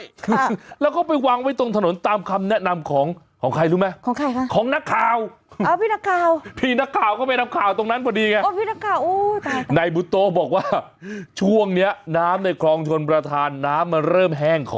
ใช่แล้วเขาไปวางไว้ตรงถนำกรรมแนะนำของของใครรู้ไหม